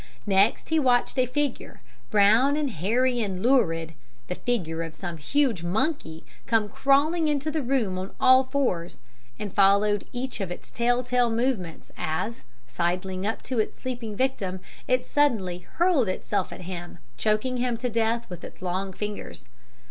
"Next he watched a figure, brown, hairy and lurid the figure of some huge monkey come crawling into the room on all fours, and followed each of its tell tale movements as, sidling up to its sleeping victim, it suddenly hurled itself at him, choking him to death with its long fingers.